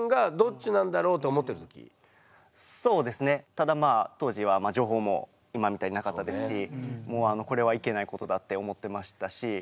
ただまあ当時は情報も今みたいになかったですしもう「これはいけないことだ」って思ってましたし。